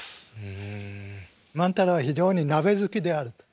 万太郎は非常に鍋好きであると。